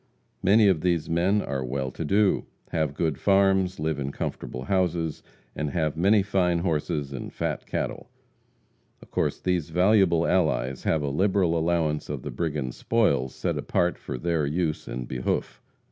Many of these men are well to do; have good farms, live in comfortable houses, and have many fine horses and fat cattle. Of course these valuable allies have a liberal allowance of the brigands' spoils set apart for their use and behoof.